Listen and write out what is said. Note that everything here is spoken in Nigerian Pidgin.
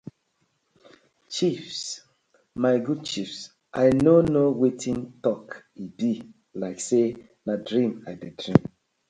Chiefs my good chiefs I no kno wetin tok e bi like say na dream I dey dream.